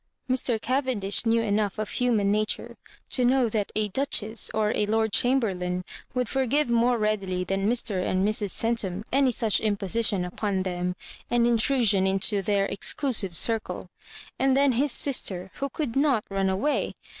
Mr. Cavendish knew enough of human nature to know that a duchess or a lord chamberlain would forgive more readily than Mr. and Mrs. Centum any such imposition upon them, and intrusion into their exclusive circle. And then his sister, who could not run away!